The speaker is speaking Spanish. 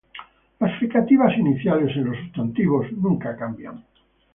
Las fricativas iniciales en los sustantivos nunca cambian.